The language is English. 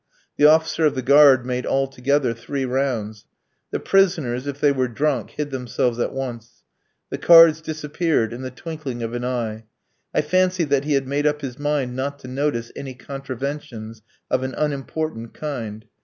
The officer of the guard made altogether three rounds. The prisoners, if they were drunk, hid themselves at once. The cards disappeared in the twinkling of an eye. I fancy that he had made up his mind not to notice any contraventions of an unimportant kind.